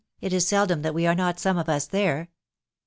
It is seldom that we are not . tome of us there."